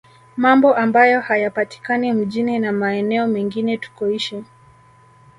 Mambo ambayo hayapatikani mjini na maeneo mengine tukoishi